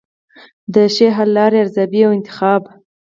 د ښې حل لارې ارزیابي او انتخاب.